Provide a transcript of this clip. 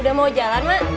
udah mau jalan mak